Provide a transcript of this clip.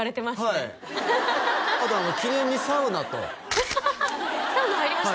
はいあと記念にサウナとサウナ入りました？